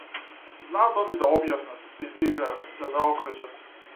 Знаат они да објаснат, да изиграат, да заокружат.